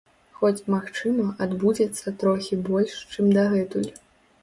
Хоць, магчыма, адбудзецца трохі больш, чым дагэтуль.